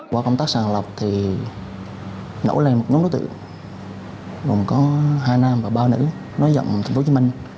qua công tác sàng lọc thì nổ lên một nhóm đối tượng gồm có hai nam và ba nữ nói rộng thành phố hồ chí minh